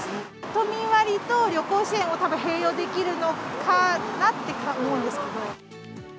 都民割と旅行支援をたぶん併用できるのかなって思うんですけど。